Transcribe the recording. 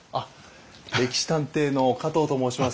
「歴史探偵」の加藤と申します。